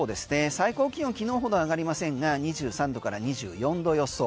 最高気温は昨日ほど上がりませんが２３度から２４度予想。